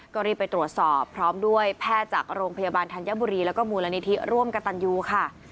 ก็รีบไปตรวจสอบพร้อมด้วยแพทย์จากโรงพยาบาลธัญบุรีแล้วก็มูลนิธิร่วมกับตันยูค่ะ